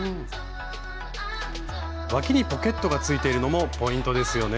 わきにポケットがついているのもポイントですよね。